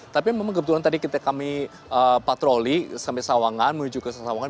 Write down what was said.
tapi memang kebetulan tadi kita kami patroli sampai sawangan menuju ke sasawangan